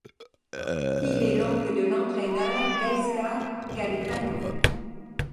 Il est l'oncle de l'entraîneur Gaizka Garitano.